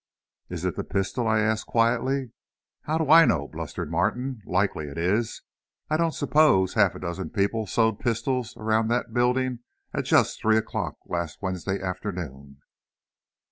"Is it the pistol?" I asked, quietly. "How do I know?" blustered Martin. "Likely it is. I don't suppose half a dozen people sowed pistols around that building at just three o'clock last Wednesday afternoon!"